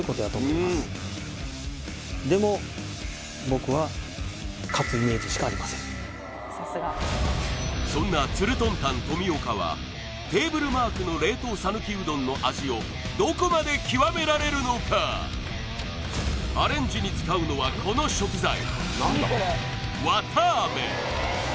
僕はそんなつるとんたん富岡はテーブルマークの冷凍さぬきうどんの味をどこまで極められるのかアレンジに使うのはこの食材